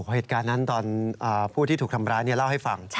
เหตุการณ์นั้นตอนผู้ที่ถูกทำร้ายเล่าให้ฟัง